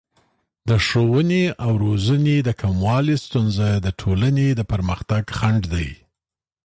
د ښوونې او روزنې د کموالي ستونزه د ټولنې د پرمختګ خنډ دی.